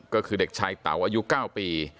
ก็คือเด็กชายเต๋าอายุ๙ปี